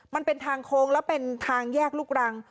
มันเป็นทางโค้งแล้วเป็นทางแยกลูกรัง